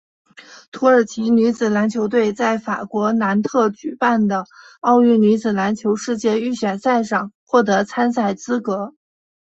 土耳其女子篮球队在法国南特举办的奥运女子篮球世界预选赛上获得参赛资格。